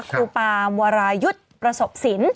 ครูปามวารายุทบรสมสิน